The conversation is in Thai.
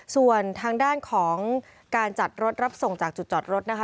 ส่วนทางด้านของการจัดรถรับส่งจากจุดจอดรถนะคะ